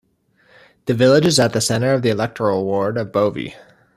The village is at the centre of the electoral ward of Bovey.